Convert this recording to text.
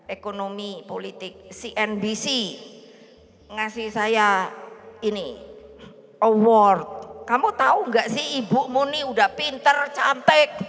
ekonomi politik cnbc ngasih saya ini award kamu tahu nggak sih ibumu nih udah pinter cantik